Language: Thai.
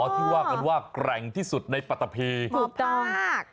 พี่ว่ากันว่าแกร่งที่สุดในปรัตถีถูกต้องครับ